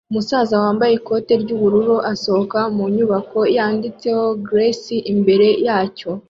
Umusaza wambaye ikoti ry'ubururu asohoka mu nyubako yanditseho "Grace" imbere yacyo